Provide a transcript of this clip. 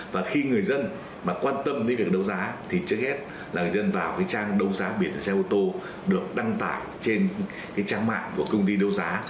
và khi người dân mà quan tâm với việc đấu giá thì trước hết là người dân vào cái trang đấu giá biển xe ô tô được đăng tải trên cái trang mạng của công ty đấu giá